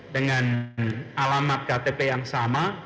dengan alamat ktp yang sama